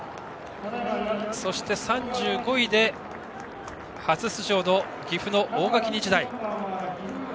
３５位で初出場の岐阜の大垣日大。